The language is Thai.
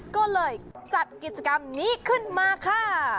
ก็เลยจัดกิจกรรมนี้ขึ้นมาค่ะ